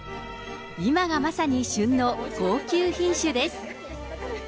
今がまさに旬の高級品種です。